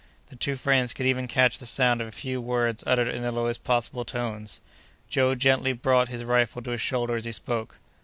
The two friends could even catch the sound of a few words uttered in the lowest possible tones. Joe gently brought his rifle to his shoulder as he spoke.